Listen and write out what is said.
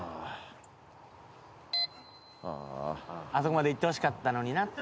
「あそこまで行ってほしかったのにな」